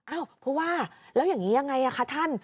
ผู้ว่าแล้วอย่างนี้ยังไงคะท่าน